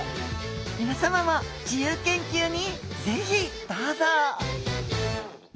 皆さまも自由研究に是非どうぞ！